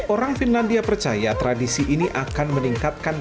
orang finlandia percaya tradisi ini akan meningkatkan